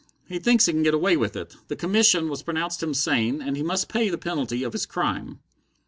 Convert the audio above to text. "He thinks he can get away with it. The commission has pronounced him sane, and he must pay the penalty of his crime."